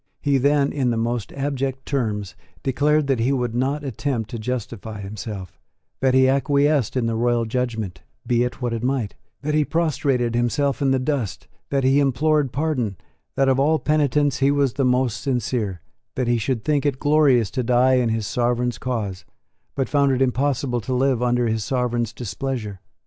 He then, in the most abject terms, declared that he would not attempt to justify himself, that he acquiesced in the royal judgment, be it what it might, that he prostrated himself in the dust, that he implored pardon, that of all penitents he was the most sincere, that he should think it glorious to die in his Sovereign's cause, but found it impossible to live under his Sovereign's displeasure.